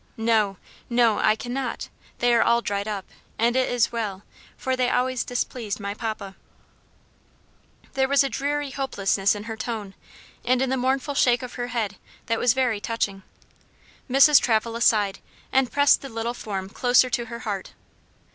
"No no I cannot; they are all dried up and it is well, for they always displeased my papa," There was a dreary hopelessness in her tone, and in the mournful shake of her head, that was very touching. Mrs. Travilla sighed, and pressed the little form closer to her heart.